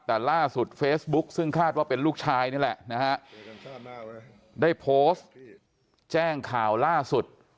แต่ล่าสุดเฟซบุ๊คซึ่งคาดว่าเป็นลูกชายนี่แหละนะฮะได้โพสต์แจ้งข่าวล่าสุด